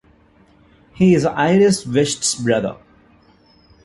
He is Iris West's brother.